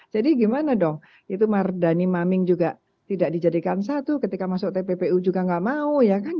gimana dong itu mardani maming juga tidak dijadikan satu ketika masuk tppu juga nggak mau ya kan